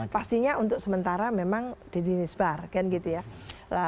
pastinya untuk sementara memang deddy misbar kan gitu ya